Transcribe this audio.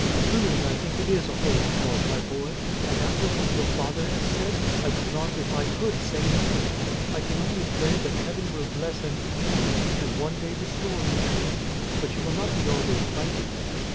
"Truly I think it is a holy cause, my boy; and after what your father has said, I would not if I could say nay. I can only pray that heaven will bless and keep you, and one day restore you to me. But you will not be always fighting, Ned.